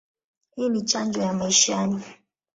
Hii ni chanjo ya maishani.